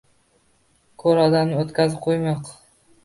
Ko‘r odamni o‘tkazib qo‘ymoq –